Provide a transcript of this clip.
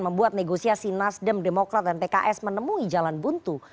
membuat negosiasi nasdem demokrat dan pks menemui jalan buntu